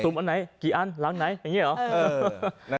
อันไหนกี่อันหลังไหนอย่างนี้เหรอ